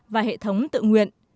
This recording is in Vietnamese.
và hệ thống tự nguyện